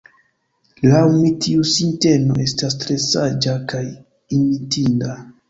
Laŭ mi, tiu sinteno estas tre saĝa kaj imitinda.